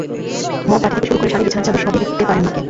Mug, বাটি থেকে শুরু করে শাড়ি, বিছানার চাদর—সবই দিতে পারেন মাকে।